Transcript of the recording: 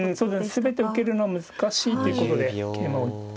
全て受けるのは難しいということで桂馬を打って。